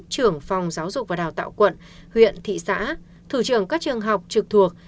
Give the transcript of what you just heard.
trưởng phòng giáo dục và đào tạo quận huyện thị xã thủ trưởng các trường học trực thuộc